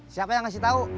siapa yang ngasih tau